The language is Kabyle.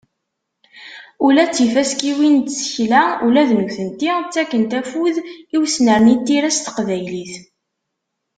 Ula d tifaskiwin n tsekla, ula d nutenti, ttakken afud i usnerni n tira s teqbaylit.